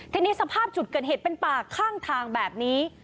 ทีนี้สภาพจุดเกิดเหตุเป็นป่าข้างทางแบบนี้